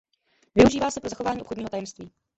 Využívá se pro zachování obchodního tajemství.